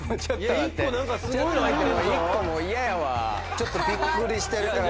ちょっとびっくりしてるから。